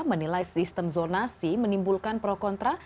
menilai sistem zonasi menimbulkan pro kontra